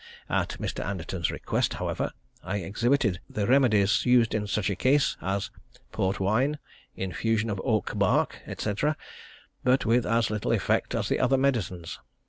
At Mr. Anderton's request, however, I exhibited the remedies used in such a case, as port wine, infusion of oak bark, &c., but with as little effect as the other medicines.